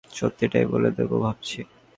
সত্যিটাই বলে দেবো ভাবছি।